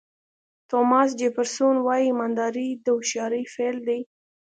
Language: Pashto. توماس جیفرسون وایي ایمانداري د هوښیارۍ پیل دی.